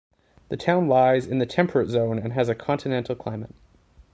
The town lies in the temperate zone and has a continental climate.